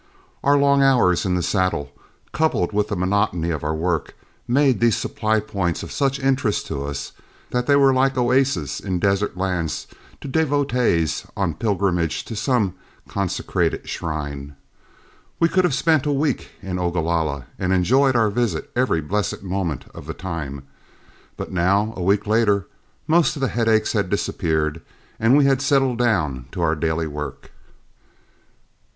Our long hours in the saddle, coupled with the monotony of our work, made these supply points of such interest to us that they were like oases in desert lands to devotees on pilgrimage to some consecrated shrine. We could have spent a week in Ogalalla and enjoyed our visit every blessed moment of the time. But now, a week later, most of the headaches had disappeared and we had settled down to our daily work.